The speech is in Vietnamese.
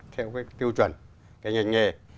theo cái tiêu chuẩn cái ngành nghề